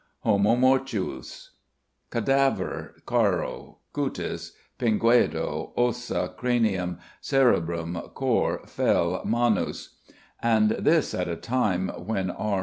Homo mortuus: Cadaver caro, cutis, pinguedo, ossa, cranium, cerebrum, cor, fel, manus.' And this at a time when R.